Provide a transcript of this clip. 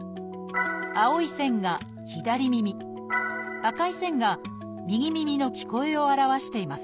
青い線が左耳赤い線が右耳の聞こえを表しています。